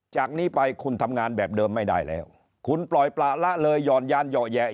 จากนี้ไปคุณทำงานแบบเดิมไม่ได้แล้วคุณปล่อยประละเลยห่อนยานเหยาะแยะ